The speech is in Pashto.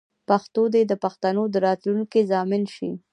پښتو دې د پښتنو د راتلونکې ضامن شي.